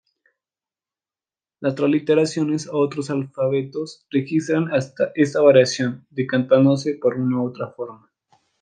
Las transliteraciones a otros alfabetos registran esta variación, decantándose por una u otra forma.